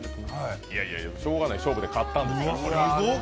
しようがない、勝負で勝ったんですから。